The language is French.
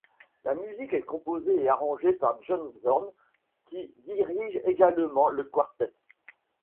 La musique est composée et arrangée par John Zorn qui dirige également le quartet.